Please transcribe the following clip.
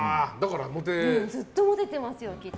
ずっとモテてますよ、きっと。